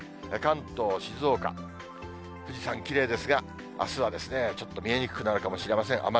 関東、静岡、富士山、きれいですが、あすはですね、ちょっと見えにくくなるかもしれません。